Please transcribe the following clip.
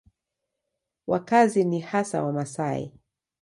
Wakazi ni hasa Wamasai.